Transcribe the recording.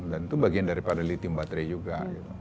dan itu bagian dari pada lithium baterai juga